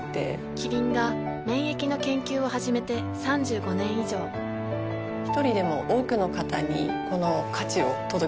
キリンが免疫の研究を始めて３５年以上一人でも多くの方にこの価値を届けていきたいと思っています。